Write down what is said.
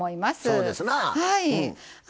そうですなあ。